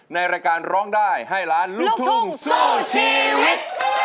ในรายการร้องได้ให้ล้านลูกทุ่งสู้ชีวิต